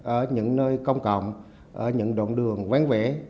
ở những nơi công cộng ở những đoạn đường quán vẽ